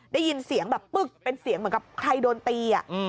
ได้ยินเสียงแบบปึ๊กเป็นเสียงเหมือนกับใครโดนตี